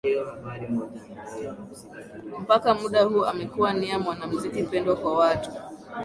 Mpka muda huu amekuwa nia mwanamziki pendwa kwa watu